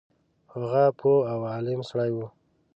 هغه پوه او عالم سړی وو.